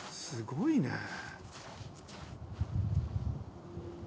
すごいね！